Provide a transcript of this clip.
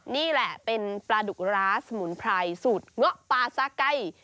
นี่แหละเป็นปลาดุกร้าสมุนไพรสูตรเงาะปลาซาไก่